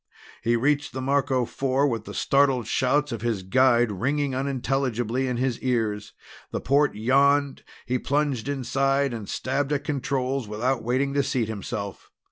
He reached the Marco Four with the startled shouts of his guide ringing unintelligibly in his ears. The port yawned; he plunged inside and stabbed at controls without waiting to seat himself.